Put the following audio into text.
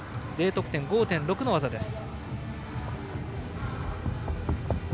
Ｄ得点５．６の技です。